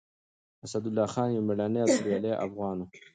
اسدالله خان يو مېړنی او توريالی افغان و.